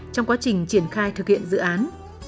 trong quá trình triển khai thực hiện dự án